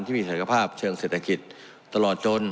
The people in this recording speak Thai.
ที่มีศักยภาพเชิงเศรษฐกิจตลอดจน